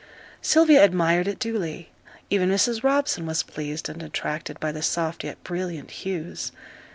Sylvia admired it duly; even Mrs. Robson was pleased and attracted by the soft yet brilliant hues.